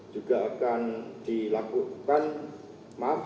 juga akan dilakukan maaf